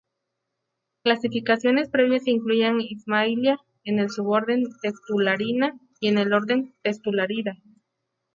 Clasificaciones previas incluían "Ismailia" en el suborden Textulariina y en el orden Textulariida.